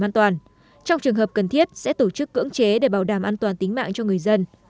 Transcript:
an toàn trong trường hợp cần thiết sẽ tổ chức cưỡng chế để bảo đảm an toàn tính mạng cho người dân